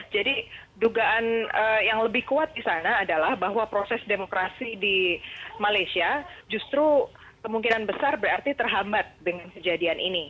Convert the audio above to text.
jadi dugaan yang lebih kuat di sana adalah bahwa proses demokrasi di malaysia justru kemungkinan besar berarti terhambat dengan kejadian ini